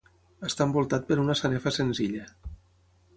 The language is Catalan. Està envoltat per una sanefa senzilla.